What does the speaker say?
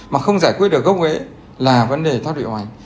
mà không giải quyết được gốc ế là vấn đề thoát vị hoành